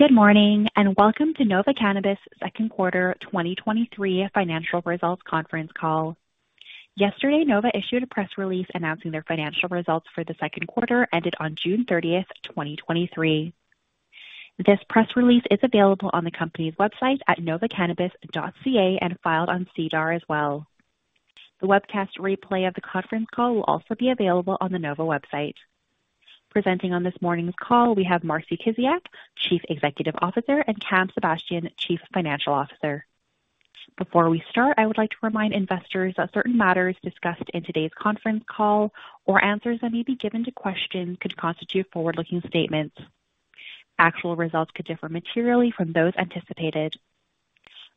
Good morning. Welcome to Nova Cannabis second quarter 2023 financial results conference call. Yesterday, Nova issued a press release announcing their financial results for the second quarter, ended on June 30, 2023. This press release is available on the company's website at novacannabis.ca and filed on SEDAR as well. The webcast replay of the conference call will also be available on the Nova website. Presenting on this morning's call, we have Marcie Kiziak, Chief Executive Officer, and Cam Sebastian, Chief Financial Officer. Before we start, I would like to remind investors that certain matters discussed in today's conference call or answers that may be given to questions could constitute forward-looking statements. Actual results could differ materially from those anticipated.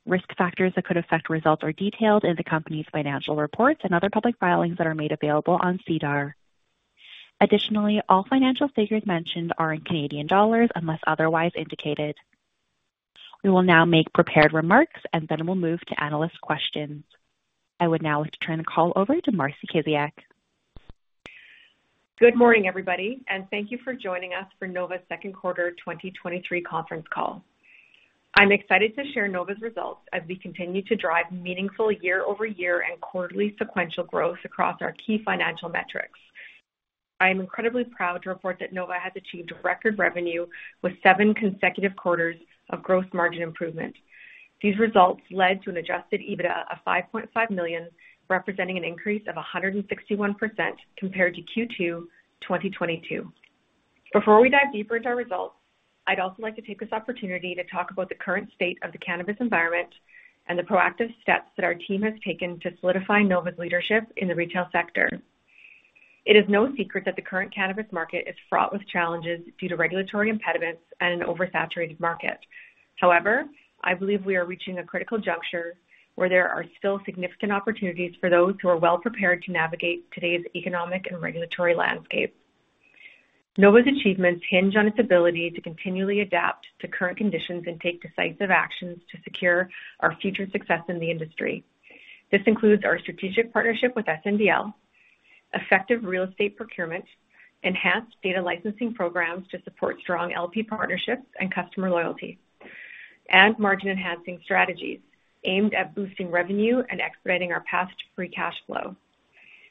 Risk factors that could affect results are detailed in the company's financial reports and other public filings that are made available on SEDAR. Additionally, all financial figures mentioned are in Canadian dollars, unless otherwise indicated. We will now make prepared remarks, and then we'll move to analyst questions. I would now like to turn the call over to Marcie Kiziak. Good morning, everybody, and thank you for joining us for Nova's second quarter 2023 conference call. I'm excited to share Nova's results as we continue to drive meaningful year-over-year and quarterly sequential growth across our key financial metrics. I am incredibly proud to report that Nova has achieved record revenue with seven consecutive quarters of growth margin improvement. These results led to an adjusted EBITDA of 5.5 million, representing an increase of 161% compared to Q2 2022. Before we dive deeper into our results, I'd also like to take this opportunity to talk about the current state of the cannabis environment and the proactive steps that our team has taken to solidify Nova's leadership in the retail sector. It is no secret that the current cannabis market is fraught with challenges due to regulatory impediments and an oversaturated market. However, I believe we are reaching a critical juncture where there are still significant opportunities for those who are well-prepared to navigate today's economic and regulatory landscape. Nova's achievements hinge on its ability to continually adapt to current conditions and take decisive actions to secure our future success in the industry. This includes our strategic partnership with SNDL, effective real estate procurement, enhanced data licensing programs to support strong LP partnerships and customer loyalty, and margin-enhancing strategies aimed at boosting revenue and expediting our path to free cash flow.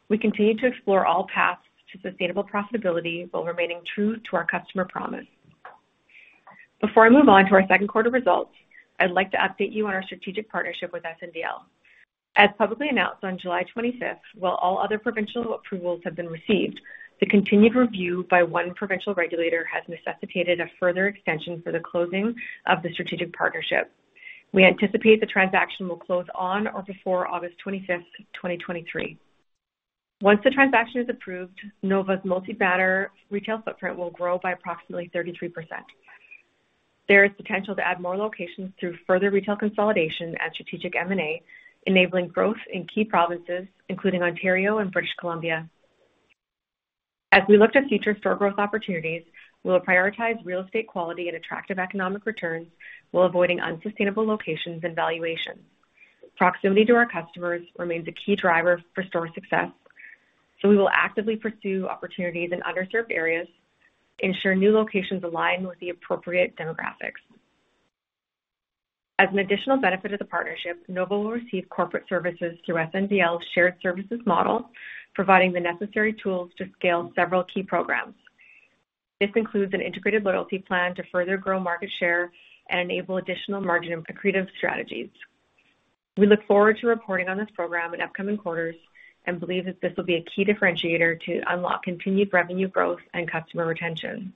We continue to explore all paths to sustainable profitability while remaining true to our customer promise. Before I move on to our second quarter results, I'd like to update you on our strategic partnership with SNDL. As publicly announced on July 25th, while all other provincial approvals have been received, the continued review by one provincial regulator has necessitated a further extension for the closing of the strategic partnership. We anticipate the transaction will close on or before August 25th, 2023. Once the transaction is approved, Nova's multi-banner retail footprint will grow by approximately 33%. There is potential to add more locations through further retail consolidation and strategic M&A, enabling growth in key provinces, including Ontario and British Columbia. As we look to future store growth opportunities, we will prioritize real estate quality and attractive economic returns while avoiding unsustainable locations and valuations. Proximity to our customers remains a key driver for store success, so we will actively pursue opportunities in underserved areas, ensure new locations align with the appropriate demographics. As an additional benefit of the partnership, Nova will receive corporate services through SNDL's shared services model, providing the necessary tools to scale several key programs. This includes an integrated loyalty plan to further grow market share and enable additional margin accretive strategies. We look forward to reporting on this program in upcoming quarters and believe that this will be a key differentiator to unlock continued revenue growth and customer retention.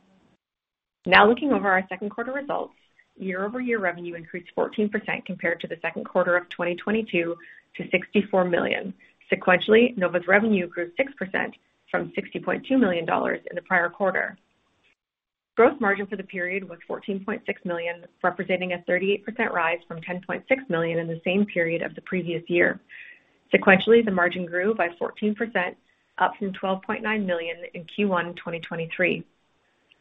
Looking over our second quarter results, year-over-year revenue increased 14% compared to the second quarter of 2022 to 64 million. Sequentially, Nova's revenue grew 6% from 60.2 million dollars in the prior quarter. Growth margin for the period was 14.6 million, representing a 38% rise from 10.6 million in the same period of the previous year. Sequentially, the margin grew by 14%, up from 12.9 million in Q1 2023.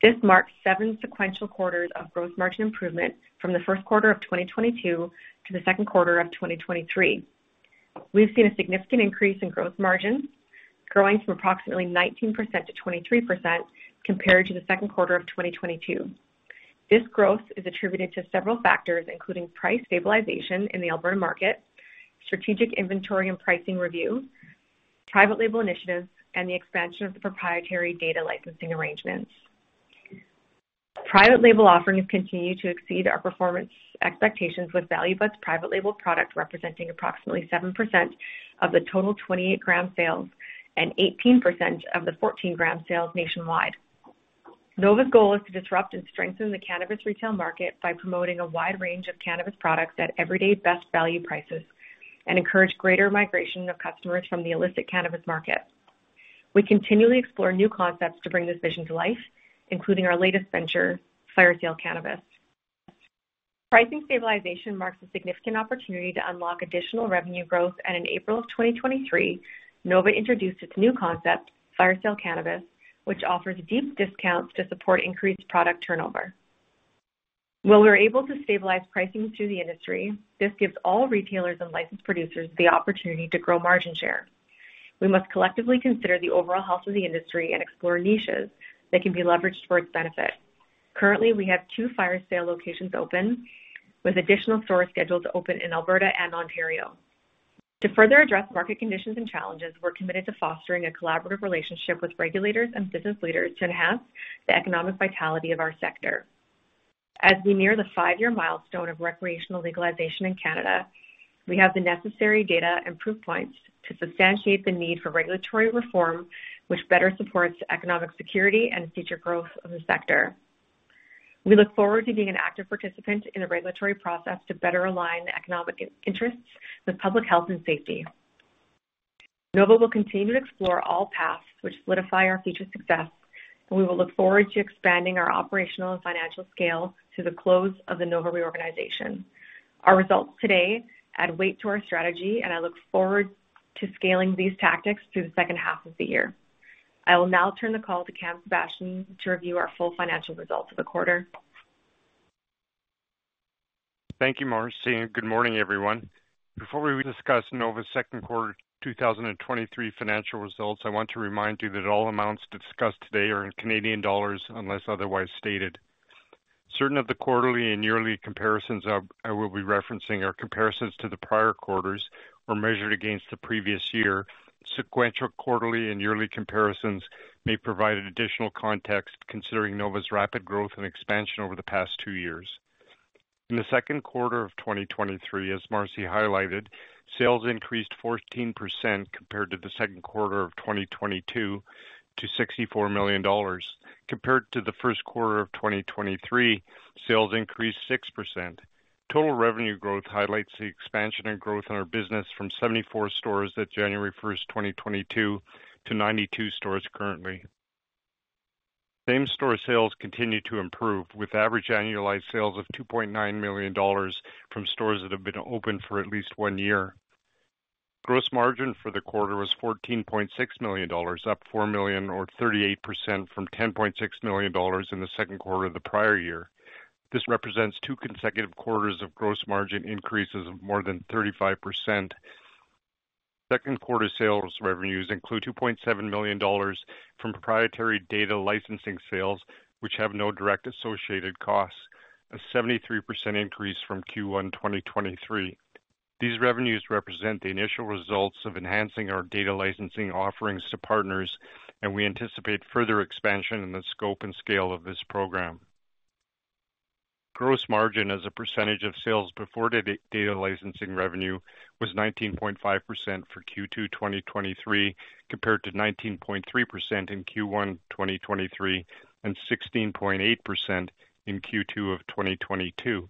This marks seven sequential quarters of growth margin improvement from the first quarter of 2022 to the second quarter of 2023. We've seen a significant increase in growth margins, growing from approximately 19% to 23% compared to the second quarter of 2022. This growth is attributed to several factors, including price stabilization in the Alberta market, strategic inventory and pricing review, private label initiatives, and the expansion of the proprietary data licensing arrangements. Private label offerings continue to exceed our performance expectations, with Value Buds private label product representing approximately 7% of the total 28 gram sales and 18% of the 14 gram sales nationwide. Nova's goal is to disrupt and strengthen the cannabis retail market by promoting a wide range of cannabis products at everyday best value prices and encourage greater migration of customers from the illicit cannabis market. We continually explore new concepts to bring this vision to life, including our latest venture, Firesale Cannabis. Pricing stabilization marks a significant opportunity to unlock additional revenue growth, and in April of 2023, Nova introduced its new concept, Firesale Cannabis, which offers deep discounts to support increased product turnover. While we're able to stabilize pricing through the industry, this gives all retailers and licensed producers the opportunity to grow margin share.... we must collectively consider the overall health of the industry and explore niches that can be leveraged for its benefit. Currently, we have two fire sale locations open, with additional stores scheduled to open in Alberta and Ontario. To further address market conditions and challenges, we're committed to fostering a collaborative relationship with regulators and business leaders to enhance the economic vitality of our sector. As we near the five-year milestone of recreational legalization in Canada, we have the necessary data and proof points to substantiate the need for regulatory reform, which better supports the economic security and future growth of the sector. We look forward to being an active participant in the regulatory process to better align the economic interests with public health and safety. Nova will continue to explore all paths which solidify our future success, and we will look forward to expanding our operational and financial scale to the close of the Nova reorganization. Our results today add weight to our strategy, and I look forward to scaling these tactics through the second half of the year. I will now turn the call to Cam Sebastian to review our full financial results of the quarter. Thank you, Marcie. Good morning, everyone. Before we discuss Nova's second quarter 2023 financial results, I want to remind you that all amounts discussed today are in Canadian dollars, unless otherwise stated. Certain of the quarterly and yearly comparisons I will be referencing are comparisons to the prior quarters or measured against the previous year. Sequential, quarterly, and yearly comparisons may provide an additional context considering Nova's rapid growth and expansion over the past two years. In the second quarter of 2023, as Marcie highlighted, sales increased 14% compared to the second quarter of 2022 to 64 million dollars. Compared to the first quarter of 2023, sales increased 6%. Total revenue growth highlights the expansion and growth in our business from 74 stores at January 1, 2022, to 92 stores currently. Same-store sales continue to improve, with average annualized sales of 2.9 million dollars from stores that have been open for at least 1 year. Gross margin for the quarter was 14.6 million dollars, up 4 million, or 38% from 10.6 million dollars in the second quarter of the prior year. This represents 2 consecutive quarters of gross margin increases of more than 35%. Second quarter sales revenues include 2.7 million dollars from proprietary data licensing sales, which have no direct associated costs, a 73% increase from Q1 2023. These revenues represent the initial results of enhancing our data licensing offerings to partners, and we anticipate further expansion in the scope and scale of this program. Gross margin as a percentage of sales before data licensing revenue was 19.5% for Q2 2023, compared to 19.3% in Q1 2023 and 16.8% in Q2 of 2022.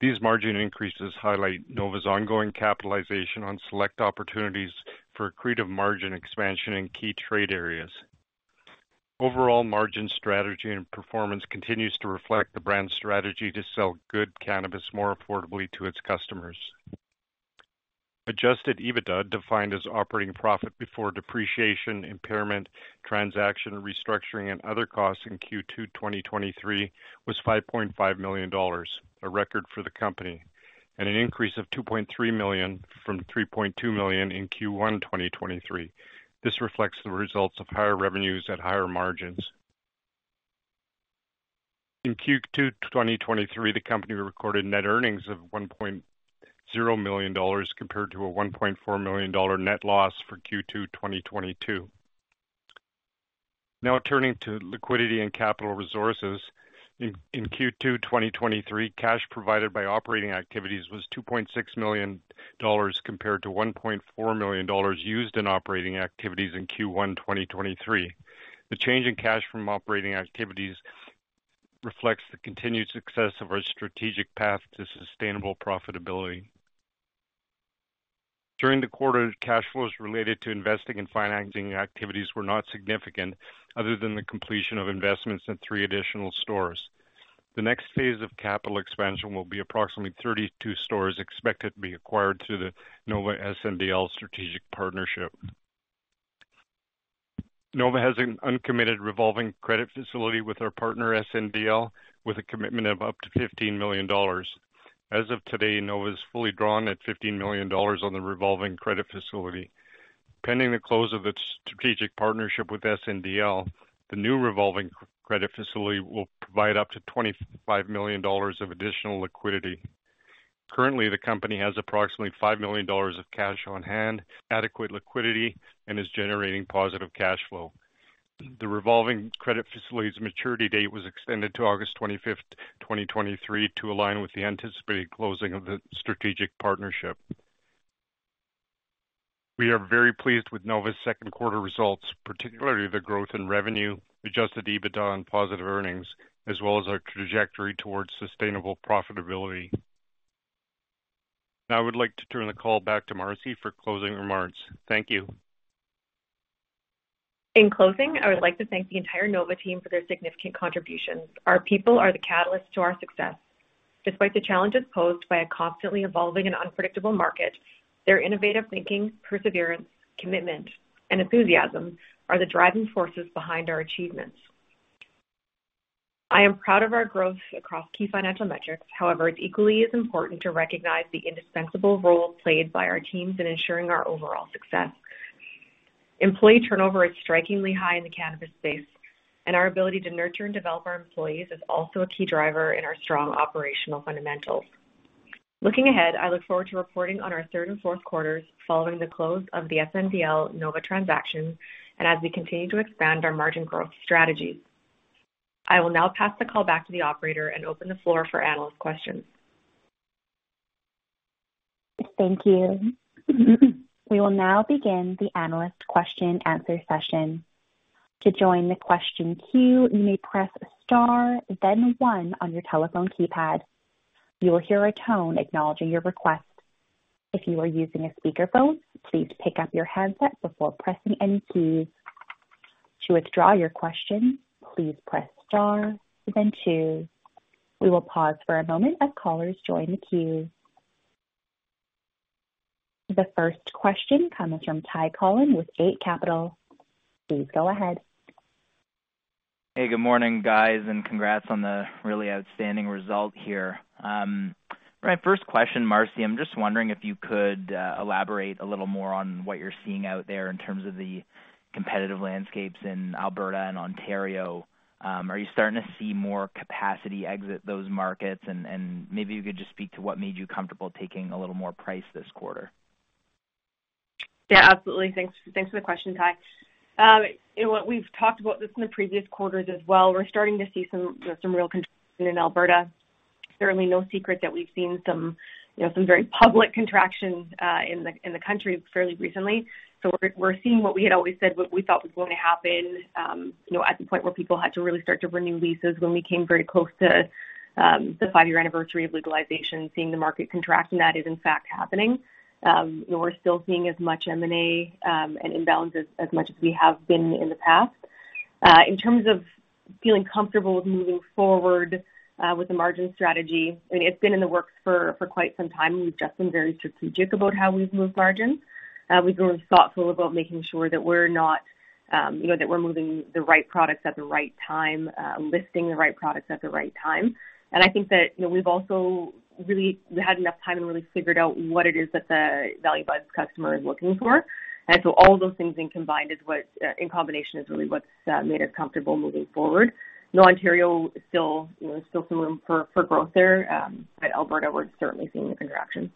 These margin increases highlight Nova's ongoing capitalization on select opportunities for accretive margin expansion in key trade areas. Overall margin strategy and performance continues to reflect the brand's strategy to sell good cannabis more affordably to its customers. Adjusted EBITDA, defined as operating profit before depreciation, impairment, transaction, restructuring, and other costs in Q2 2023, was 5.5 million dollars, a record for the company, and an increase of 2.3 million from 3.2 million in Q1 2023. This reflects the results of higher revenues at higher margins. In Q2 2023, the company recorded net earnings of 1.0 million dollars, compared to a 1.4 million dollar net loss for Q2 2022. Now turning to liquidity and capital resources. In Q2 2023, cash provided by operating activities was 2.6 million dollars, compared to 1.4 million dollars used in operating activities in Q1 2023. The change in cash from operating activities reflects the continued success of our strategic path to sustainable profitability. During the quarter, cash flows related to investing and financing activities were not significant other than the completion of investments in three additional stores. The next phase of capital expansion will be approximately 32 stores expected to be acquired through the Nova SNDL strategic partnership. Nova has an uncommitted revolving credit facility with our partner, SNDL, with a commitment of up to 15 million dollars. As of today, Nova is fully drawn at 15 million dollars on the revolving credit facility. Pending the close of its strategic partnership with SNDL, the new revolving credit facility will provide up to 25 million dollars of additional liquidity. Currently, the company has approximately 5 million dollars of cash on hand, adequate liquidity, and is generating positive cash flow. The revolving credit facility's maturity date was extended to August 25th, 2023, to align with the anticipated closing of the strategic partnership. We are very pleased with Nova's second quarter results, particularly the growth in revenue, adjusted EBITDA and positive earnings, as well as our trajectory towards sustainable profitability. Now I would like to turn the call back to Marcie for closing remarks. Thank you. In closing, I would like to thank the entire Nova team for their significant contributions. Our people are the catalyst to our success. Despite the challenges posed by a constantly evolving and unpredictable market, their innovative thinking, perseverance, commitment, and enthusiasm are the driving forces behind our achievements. I am proud of our growth across key financial metrics. However, it's equally as important to recognize the indispensable role played by our teams in ensuring our overall success. Employee turnover is strikingly high in the cannabis space, and our ability to nurture and develop our employees is also a key driver in our strong operational fundamentals. Looking ahead, I look forward to reporting on our third and fourth quarters following the close of the SNDL Nova transaction and as we continue to expand our margin growth strategies. I will now pass the call back to the operator and open the floor for analyst questions. Thank you. We will now begin the analyst question-answer session. To join the question queue, you may press star then one on your telephone keypad. You will hear a tone acknowledging your request. If you are using a speakerphone, please pick up your handset before pressing any keys. To withdraw your question, please press star then two. We will pause for a moment as callers join the queue. The first question comes from Ty Collin with Eight Capital. Please go ahead. Hey, good morning, guys, and congrats on the really outstanding result here. My first question, Marcie, I'm just wondering if you could elaborate a little more on what you're seeing out there in terms of the competitive landscapes in Alberta and Ontario. Are you starting to see more capacity exit those markets? Maybe you could just speak to what made you comfortable taking a little more price this quarter. Yeah, absolutely. Thanks, thanks for the question, Ty. What we've talked about this in the previous quarters as well, we're starting to see some real contraction in Alberta. Certainly no secret that we've seen some, you know, some very public contractions in the country fairly recently. We're seeing what we had always said what we thought was going to happen, you know, at the point where people had to really start to renew leases when we came very close to the five-year anniversary of legalization, seeing the market contract, and that is in fact happening. We're still seeing as much M&A and inbounds as much as we have been in the past. In terms of feeling comfortable with moving forward, with the margin strategy, I mean, it's been in the works for, for quite some time. We've just been very strategic about how we've moved margins. We've been thoughtful about making sure that we're not, you know, that we're moving the right products at the right time, listing the right products at the right time. I think that, you know, we've also really had enough time to really figure out what it is that the Value Buds customer is looking for. So all those things in combined is what, in combination, is really what's made us comfortable moving forward. You know, Ontario is still, you know, still some room for, for growth there, but Alberta, we're certainly seeing the contraction.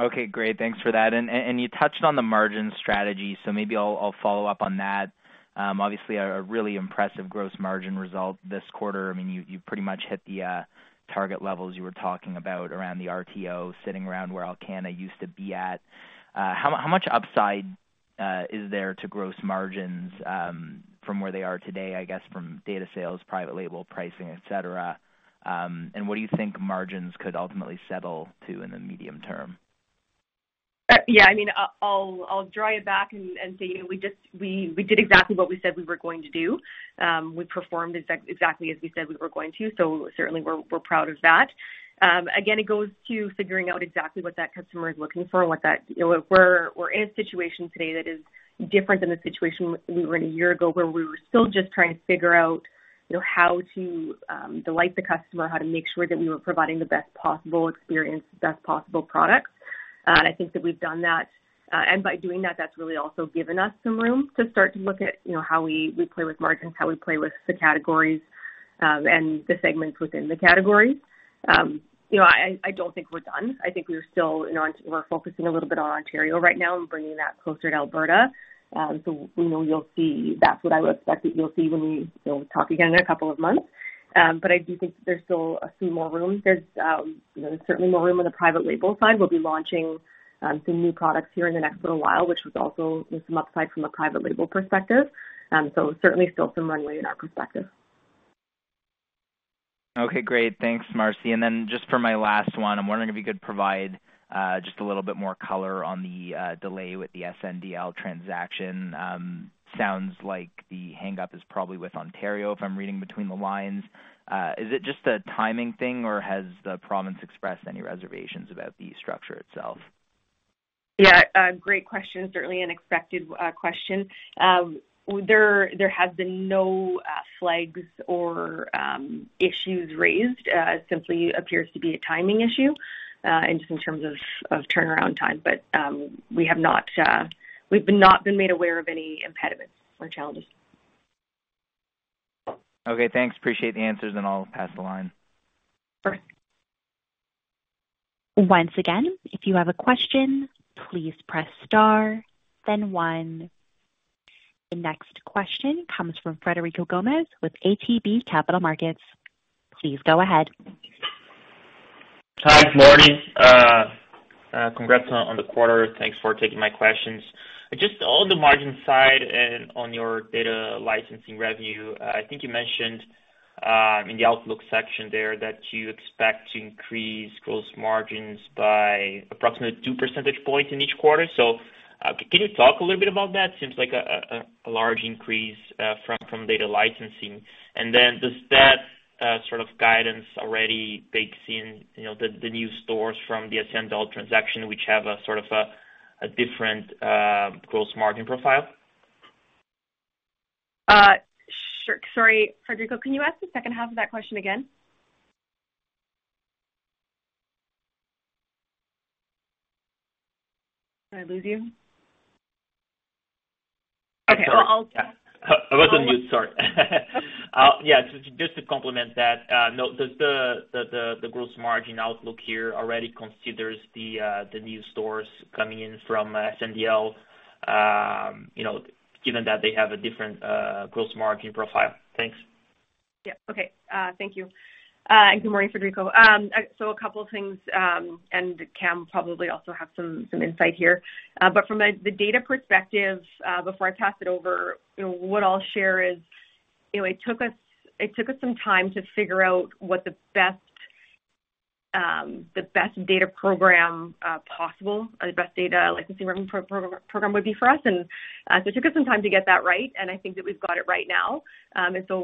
Okay, great. Thanks for that. You touched on the margin strategy, so maybe I'll follow up on that. Obviously a really impressive gross margin result this quarter. I mean, you pretty much hit the target levels you were talking about around the RTO, sitting around where Alcanna used to be at. How much upside is there to gross margins from where they are today, I guess, from data sales, private label pricing, et cetera? What do you think margins could ultimately settle to in the medium term? Yeah, I mean, I'll, I'll draw it back and, and say, you know, we, we did exactly what we said we were going to do. We performed exactly as we said we were going to. Certainly we're, we're proud of that. Again, it goes to figuring out exactly what that customer is looking for and what that... You know, we're, we're in a situation today that is different than the situation we were in a year ago, where we were still just trying to figure out, you know, how to delight the customer, how to make sure that we were providing the best possible experience, the best possible products. I think that we've done that. By doing that, that's really also given us some room to start to look at, you know, how we, we play with margins, how we play with the categories, and the segments within the categories. You know, I, I don't think we're done. I think we're still focusing a little bit on Ontario right now and bringing that closer to Alberta. We know you'll see, that's what I would expect that you'll see when we, you know, talk again in a couple of months. I do think there's still a few more rooms. There's, you know, certainly more room on the private label side. We'll be launching some new products here in the next little while, which was also some upside from a private label perspective. Certainly still some runway in our perspective. Okay, great. Thanks, Marcie. Then just for my last one, I'm wondering if you could provide just a little bit more color on the delay with the SNDL transaction. Sounds like the hangup is probably with Ontario, if I'm reading between the lines. Is it just a timing thing, or has the province expressed any reservations about the structure itself? Yeah, a great question. Certainly an expected question. There has been no flags or issues raised. It simply appears to be a timing issue, and just in terms of turnaround time. We have not we've not been made aware of any impediments or challenges. Okay, thanks. Appreciate the answers. I'll pass the line. Perfect. Once again, if you have a question, please press star then one. The next question comes from Frederico Gomes with ATB Capital Markets. Please go ahead. Hi, good morning. Congrats on, on the quarter. Thanks for taking my questions. Just on the margin side and on your data licensing revenue, I think you mentioned in the outlook section there, that you expect to increase gross margins by approximately 2 percentage points in each quarter. Can you talk a little bit about that? Seems like a large increase from data licensing. Then does that guidance already bakes in, you know, the new stores from the SNDL transaction, which have a sort of a different gross margin profile? Sure. Sorry, Frederico, can you ask the second half of that question again? Did I lose you? Okay, sorry. I'll. I was on mute. Sorry. Yeah, just, just to complement that, no, the, the, the, the gross margin outlook here already considers the new stores coming in from SNDL, you know, given that they have a different gross margin profile. Thanks. Yeah. Okay. Thank you. And good morning, Frederico. A couple of things, and Cam probably also have some, some insight here. From a, the data perspective, before I pass it over, you know, what I'll share is, you know, it took us, it took us some time to figure out what the best, the best data program, possible, or the best data licensing program would be for us. It took us some time to get that right, and I think that we've got it right now.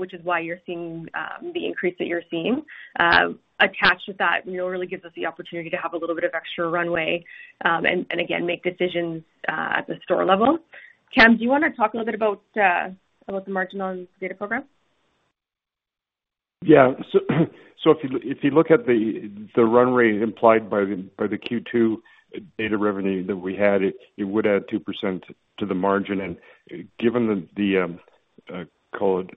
Which is why you're seeing, the increase that you're seeing. Attached to that, you know, really gives us the opportunity to have a little bit of extra runway, and, and again, make decisions, at the store level. Cam, do you wanna talk a little bit about, about the margin on the data program? Yeah. If you look at the run rate implied by the Q2 data revenue that we had, it would add 2% to the margin. Given the call it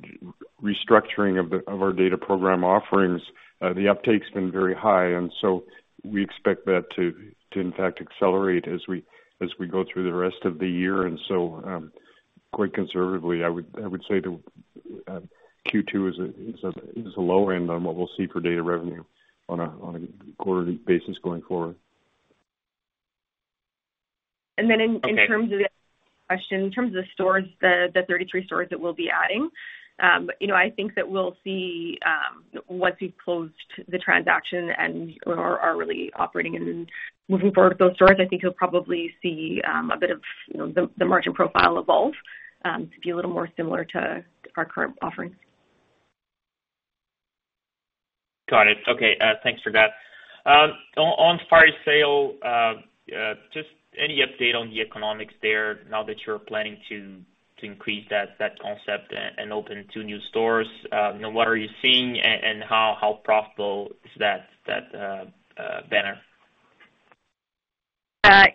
restructuring of our data program offerings, the uptake's been very high, so we expect that to in fact accelerate as we go through the rest of the year. Quite conservatively, I would say that Q2 is a low end on what we'll see for data revenue on a quarterly basis going forward. then Okay. In terms of the question, in terms of the stores, the, the 33 stores that we'll be adding, you know, I think that we'll see, once we've closed the transaction and, or are really operating and moving forward with those stores, I think you'll probably see, a bit of, you know, the, the margin profile evolve, to be a little more similar to our current offerings. Got it. Okay, thanks for that. On, on Firesale Cannabis, just any update on the economics there now that you're planning to, to increase that, that concept and open two new stores? What are you seeing and how, how profitable is that, that, banner?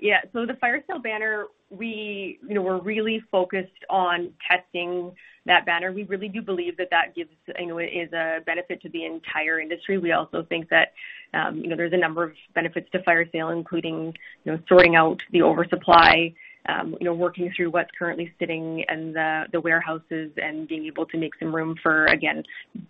Yeah, the Firesale banner, we, you know, we're really focused on testing that banner. We really do believe that that gives, you know, is a benefit to the entire industry. We also think that, you know, there's a number of benefits to Firesale, including, you know, sorting out the oversupply, you know, working through what's currently sitting in the, the warehouses, and being able to make some room for, again,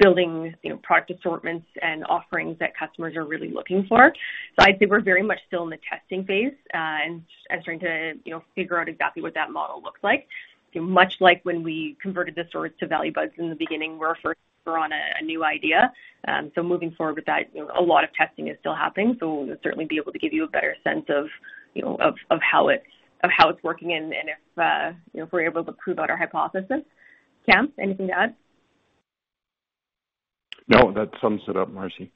building, you know, product assortments and offerings that customers are really looking for. I'd say we're very much still in the testing phase, and, and starting to, you know, figure out exactly what that model looks like. Much like when we converted the stores to Value Buds in the beginning, we're first on a new idea. Moving forward with that, you know, a lot of testing is still happening, so we'll certainly be able to give you a better sense of, you know, of, of how it's, of how it's working and, and if, you know, if we're able to prove out our hypothesis. Cam, anything to add? No, that sums it up, Marcie.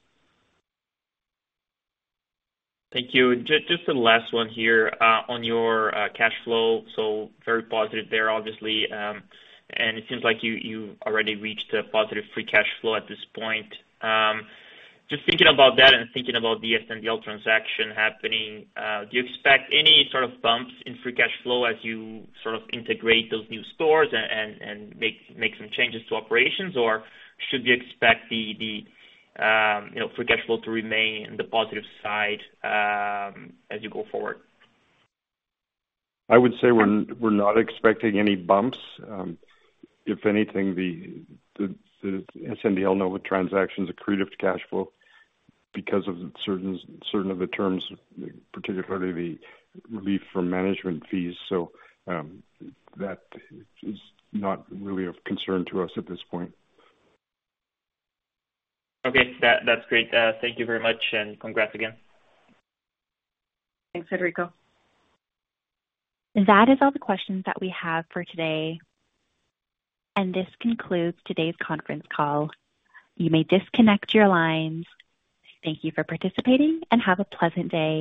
Thank you. Just the last one here, on your cash flow. Very positive there, obviously, and it seems like you, you've already reached a positive free cash flow at this point. Just thinking about that and thinking about the SNDL transaction happening, do you expect any sort of bumps in free cash flow as you sort of integrate those new stores and, and make, make some changes to operations? Should you expect the, the, you know, free cash flow to remain in the positive side, as you go forward? I would say we're we're not expecting any bumps. If anything, the, the, the SNDL Nova transaction is accretive to cash flow because of certain, certain of the terms, particularly the relief from management fees. That is not really of concern to us at this point. Okay. That, that's great. Thank you very much, and congrats again. Thanks, Frederico. That is all the questions that we have for today, and this concludes today's conference call. You may disconnect your lines. Thank you for participating, and have a pleasant day.